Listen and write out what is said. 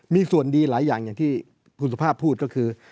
มีส่วนดีหลายอย่างอย่างที่คุณสุภาพพูดก็คือ